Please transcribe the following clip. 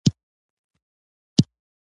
په یو خیال کې یا بې هېڅه،